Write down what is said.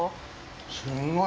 すんごい。